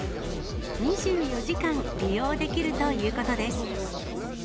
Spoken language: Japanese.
２４時間利用できるということです。